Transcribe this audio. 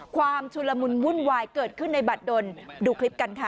ชุนละมุนวุ่นวายเกิดขึ้นในบัตรดนดูคลิปกันค่ะ